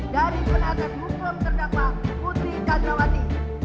dari penasihat hukum terdakwa putri candrawati